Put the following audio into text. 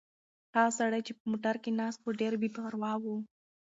هغه سړی چې په موټر کې ناست و ډېر بې پروا و.